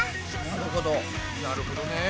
なるほどね。